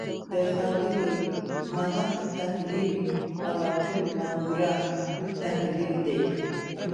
د ښاغلي محق تحلیل «عواقب محوره» تحلیل دی.